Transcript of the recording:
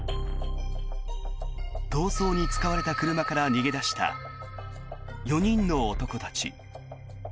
逃走に使われた車から逃げ出した４人の男たち。